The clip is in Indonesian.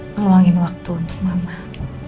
luangin waktu untuk mama